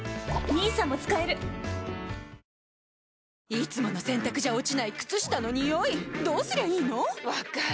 いつもの洗たくじゃ落ちない靴下のニオイどうすりゃいいの⁉分かる。